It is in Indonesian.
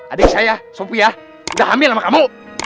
adik saya sophia udah hamil sama kamu